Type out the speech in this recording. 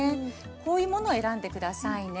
こういうものを選んで下さいね。